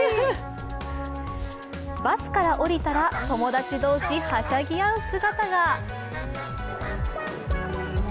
バスから降りたら友達同士、はしゃぎ合う姿が。